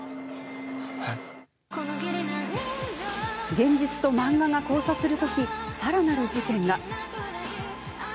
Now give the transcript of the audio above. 現実と漫画が交差するときさらなる事件が。